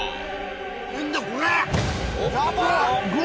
・何だこらっ！